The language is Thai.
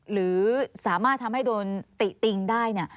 หรือสามารถทำให้โดนติ๊ะติ๊งได้